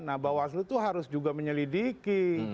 nah bawaslu itu harus juga menyelidiki